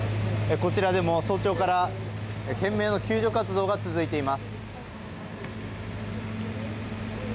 こちらでも早朝から懸命の救助活動が続いています。